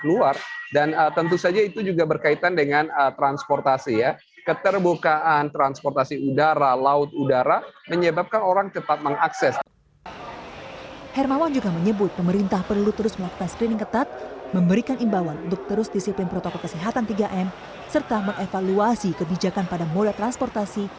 untuk terus disiplin protokol kesehatan tiga m serta mengevaluasi kebijakan pada moda transportasi